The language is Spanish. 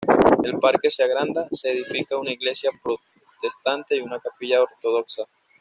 El parque se agranda, se edifica una iglesia protestante y una capilla ortodoxa.